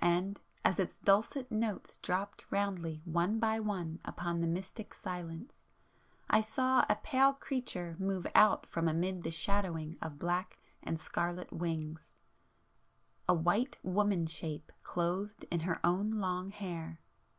And as its dulcet notes dropped roundly one by one upon the mystic silence, I saw a pale Creature move out from amid the shadowing of black and scarlet wings,—a white woman shape, clothed in her own long hair.